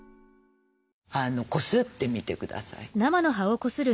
こすってみて下さい。